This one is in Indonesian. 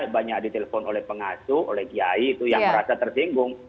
banyak ditelepon oleh pengasuh oleh kiai itu yang merasa tersinggung